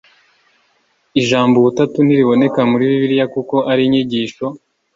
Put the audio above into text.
Ijambo Ubutatu ntiriboneka muri Bibiliya kuko ari inyigisho